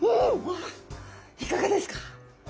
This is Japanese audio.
わあいかがですか？